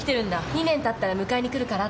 ２年たったら迎えに来るからって。